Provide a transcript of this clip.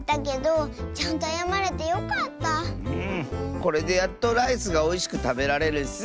これでやっとライスがおいしくたべられるッス。